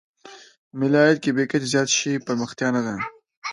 ملي عاید که بې کچې زیات شي پرمختیا نه ده.